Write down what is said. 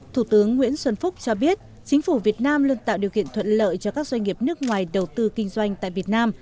thủ tướng nguyễn xuân phúc cho biết chính phủ việt nam luôn tạo điều kiện thuận lợi cho các doanh nghiệp nước ngoài đầu tư kinh doanh tại việt nam